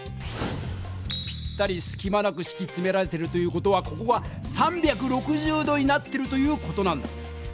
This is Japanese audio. ぴったりすきまなくしきつめられてるという事はここが３６０度になってるという事なんだ。